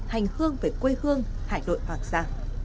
hành hương về quê hương hải nội hoàng sa